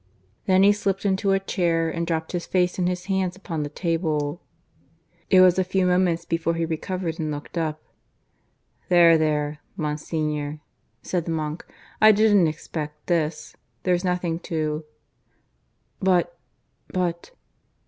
Then he slipped into a chair, and dropped his face in his hands upon the table. It was a few moments before he recovered and looked up. "There, there, Monsignor," said the monk. "... I didn't expect this. There's nothing to " "But